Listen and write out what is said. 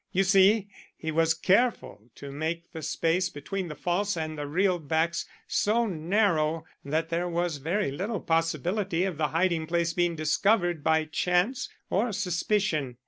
You see, he was careful to make the space between the false and the real backs so narrow that there was very little possibility of the hiding place being discovered by chance or suspicion.